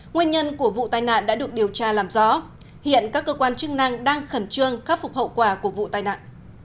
nguyên nhân của vụ tai nạn đã được điều tra làm rõ hiện các cơ quan chức năng đang khẩn trương khắc phục hậu quả của vụ tai nạn